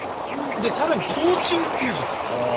で、更に甲虫っていうじゃない。